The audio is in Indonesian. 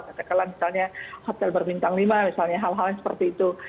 katakanlah misalnya hotel berbintang lima misalnya hal hal yang seperti itu